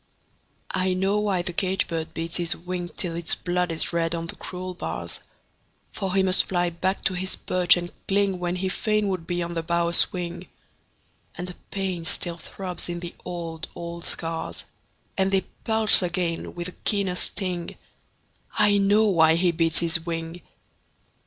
I know why the caged bird beats his wing Till its blood is red on the cruel bars; For he must fly back to his perch and cling When he fain would be on the bough a swing; And a pain still throbs in the old, old scars And they pulse again with a keener sting I know why he beats his wing!